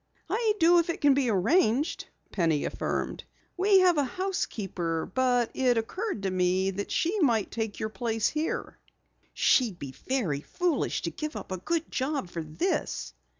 "I do if it can be arranged," Penny affirmed. "We have a housekeeper, but it occurred to me that she might take your place here." "She'd be very foolish to give up a good job for this."